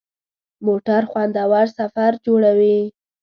موټر خوندور سفر جوړوي.